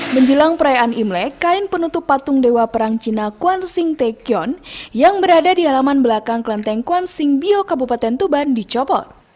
menjelang perayaan imlek kain penutup patung dewa perang cina kuang sing tekion yang berada di alaman belakang klenteng kuang sing bio kabupaten tuban dicopot